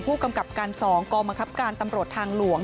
ผู้กำกับการ๒กองบังคับการตำรวจทางหลวง